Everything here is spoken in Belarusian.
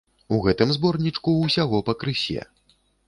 У гэтым зборнічку ўсяго пакрысе.